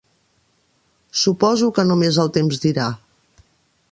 Suposo que només el temps dirà.